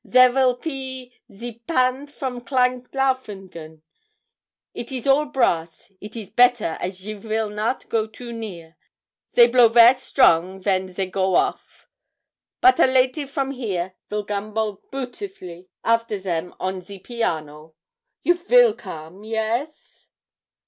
'Zere vill pe ze pandt from Klein Laufingen; it is all brass, and it is better as you vill not go too near. Zey blow vair strong ven zey go off, but a laty from hier vill gambole peautifully after zem on ze piano. You vill come yes?'